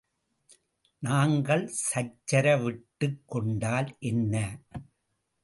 நாங்கள் சச்சரவிட்டுக் கொண்டால் என்ன?